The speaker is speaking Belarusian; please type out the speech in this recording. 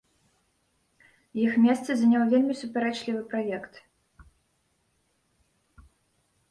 Іх месца заняў вельмі супярэчлівы праект.